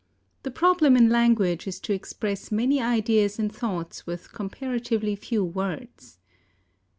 The problem in language is to express many ideas and thoughts with comparatively few words.